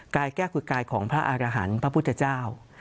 แก้กุกายของพระอารหันต์พระพุทธเจ้า